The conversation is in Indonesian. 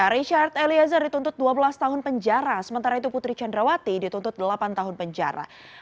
richard eliezer dituntut dua belas tahun penjara sementara itu putri candrawati dituntut delapan tahun penjara